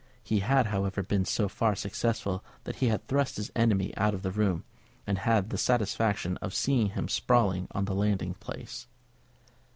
He had, however, been so far successful that he had thrust his enemy out of the room, and had the satisfaction of seeing him sprawling on the landing place.